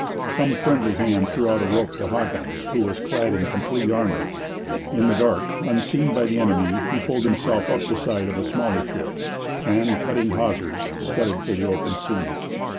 Some friendly hand threw out a rope to Hawkins, who was clad in complete armour. In the dark, unseen by the enemy, he pulled himself up the side of a smaller ship, and, cutting hawsers, scudded for the open sea.